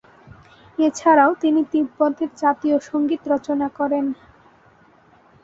এছাড়াও তিনি তিব্বতের জাতীয় সঙ্গীত রচনা করেন।